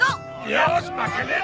よし負けねえぞ